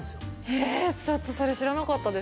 え−、ちょっとそれ知らなかったです。